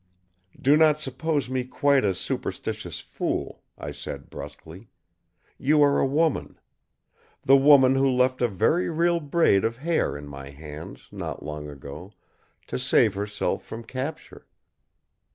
"Do not suppose me quite a superstitious fool," I said bruskly. "You are a woman. The woman who left a very real braid of hair in my hands, not long ago, to save herself from capture!"